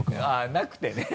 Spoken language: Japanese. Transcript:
なくてね